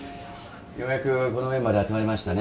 ようやくこのメンバーで集まれましたね。